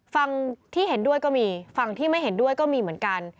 ฝั่งที่เห็นด้วยก็มีฝั่งที่ไม่เห็นด้วยก็มีเหมือนกัน